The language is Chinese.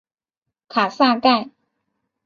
卡萨盖。